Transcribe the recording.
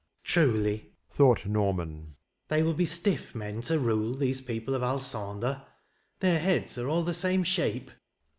"Truly," thought Norman, "they will be stiff men to rule, these people of Alsander: their heads are all the same shape."